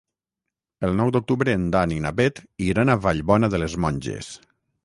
El nou d'octubre en Dan i na Bet iran a Vallbona de les Monges.